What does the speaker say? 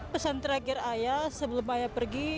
pesan terakhir ayah sebelum ayah pergi